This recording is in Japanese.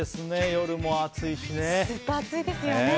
夜も暑いしね。